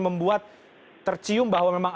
membuat tercium bahwa memang